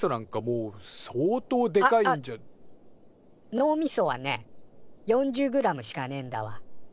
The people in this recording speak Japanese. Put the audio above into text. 脳みそはね４０グラムしかねえんだわ。